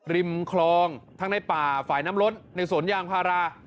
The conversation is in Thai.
ริมคลองทั้งในป่าฝ่ายน้ำล้นในสวนยางพารา